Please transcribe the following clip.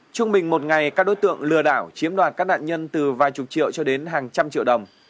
trung bình một ngày các đối tượng lừa đảo chiếm đoạt các nạn nhân từ vài chục triệu cho đến hàng trăm triệu đồng